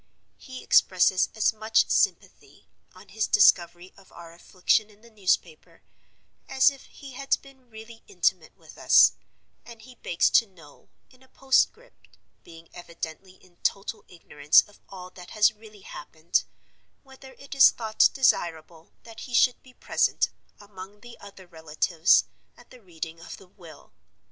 He expresses as much sympathy—on his discovery of our affliction in the newspaper—as if he had been really intimate with us; and he begs to know, in a postscript (being evidently in total ignorance of all that has really happened), whether it is thought desirable that he should be present, among the other relatives, at the reading of the will!